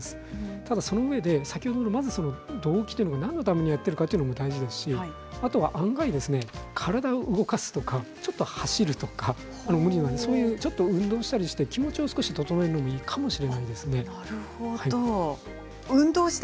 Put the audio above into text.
ただ、そのうえで先ほどの動機というか何のためにやっているかも大事ですし案外、体を動かすとかちょっと走るとかちょっと運動したりして気持ちを整えるのもいいかもしれないですね。